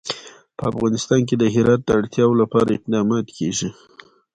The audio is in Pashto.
په افغانستان کې د هرات د اړتیاوو لپاره اقدامات کېږي.